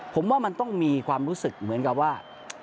ผมว่ามันต้องมีความรู้สึกเหมือนกับว่า